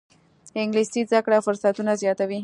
انګلیسي زده کړه فرصتونه زیاتوي